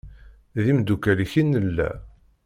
D imdukal-ik i nella.